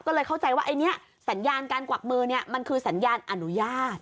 ก็เลยเข้าใจว่าสัญญาการกวักมือมันคือสัญญาณอนุญาต